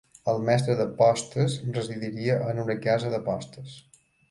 El mestre de postes residiria en una "casa de postes".